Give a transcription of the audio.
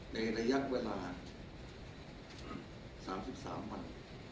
ในระยะเวลา๓๓วัน